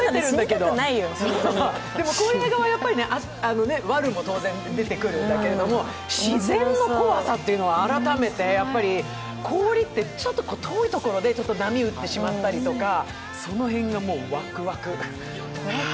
こういう映画はわるも当然出てくるんだけど、自然の怖さっていうのを改めて氷ってちょっと遠いところで波打ってしまったりとか、その辺がワクワク。